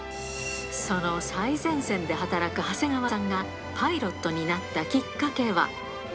その最前線で働く長谷川さんがパイロットになったきっかけは。